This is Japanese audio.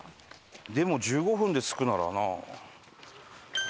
でも１５分で着くならな。